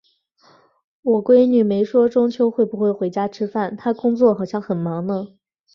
我闺女没说中秋会不会回家吃饭，她工作好像很忙呢。